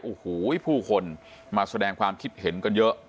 โอ้โหผู้คนมาแสดงความคิดเห็นกันเยอะ